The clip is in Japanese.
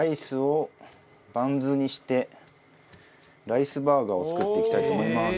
ライスバーガーを作っていきたいと思います。